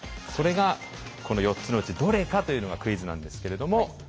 それがこの４つのうちどれかというのがクイズなんですけれども。